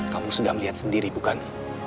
kamu sudah melihat sendiri bukan